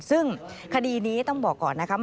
ซึ่งคดีนี้ต้องบอกก่อนนะครับ